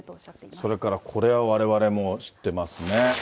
それからこれはわれわれも知ってますね。